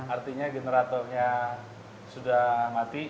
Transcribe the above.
artinya generatornya sudah mati